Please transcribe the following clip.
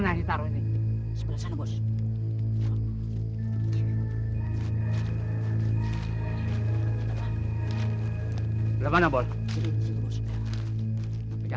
ini tidak ada apa apa